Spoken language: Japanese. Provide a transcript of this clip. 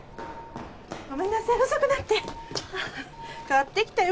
ごめんなさい遅くなって買ってきたよ